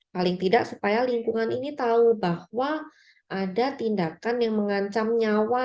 paling tidak supaya lingkungan ini tahu bahwa ada tindakan yang mengancam nyawa